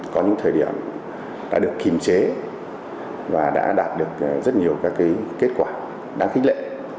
có những thời điểm đã được kiềm chế và đã đạt được rất nhiều các kết quả đáng khích lệ